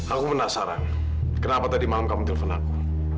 aku penasaran kenapa tadi malam kamu telpon aku